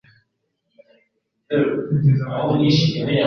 Sinshaka ko Birasa amenya ko namwitayeho cyane.